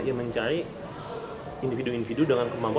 dia mencari individu individu dengan kemampuan